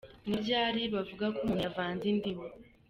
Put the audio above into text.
Ni ryari bavuga ko umuntu yavanze indimi ?.